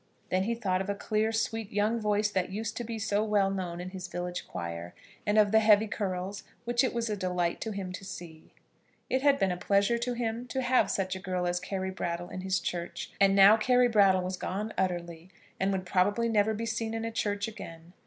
Then he thought of a clear, sweet, young voice that used to be so well known in his village choir, and of the heavy curls, which it was a delight to him to see. It had been a pleasure to him to have such a girl as Carry Brattle in his church, and now Carry Brattle was gone utterly, and would probably never be seen in a church again.